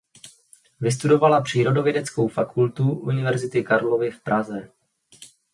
Vystudovala Přírodovědeckou fakultu Univerzity Karlovy v Praze.